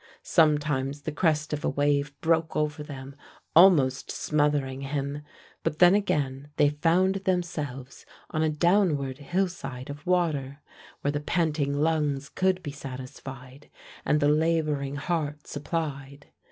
Sometimes the crest of a wave broke over them, almost smothering him, but then again they found themselves on a downward hillside of water, where the panting lungs could be satisfied, and the laboring heart supplied.